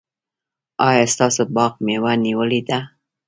ایا ستاسو باغ مېوه نیولې ده؟